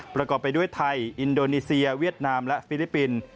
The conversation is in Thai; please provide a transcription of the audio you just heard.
ประกอบไปด้วยไทยอินโดนีเซียเวียดนามและฟิลิปปินส์